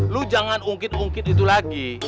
lu jangan ungkit ungkit itu lagi